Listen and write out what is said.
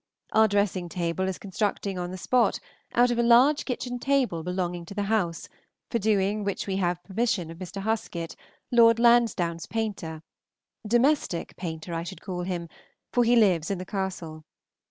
Our dressing table is constructing on the spot, out of a large kitchen table belonging to the house, for doing which we have the permission of Mr. Husket, Lord Lansdown's painter, domestic painter, I should call him, for he lives in the castle.